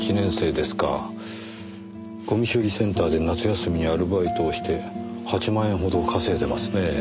ごみ処理センターで夏休みアルバイトをして８万円ほど稼いでますねぇ。